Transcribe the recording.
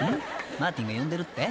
マーティンが呼んでるって？］